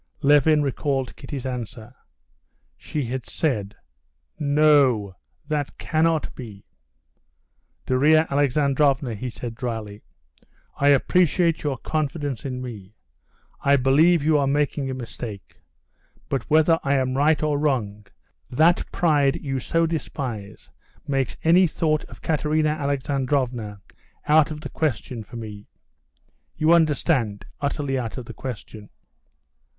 Levin recalled Kitty's answer. She had said: "No, that cannot be...." "Darya Alexandrovna," he said dryly, "I appreciate your confidence in me; I believe you are making a mistake. But whether I am right or wrong, that pride you so despise makes any thought of Katerina Alexandrovna out of the question for me,—you understand, utterly out of the question."